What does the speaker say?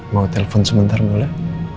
mau telfon sebentar boleh